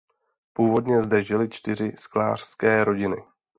Původně zde žily čtyři sklářské rodiny.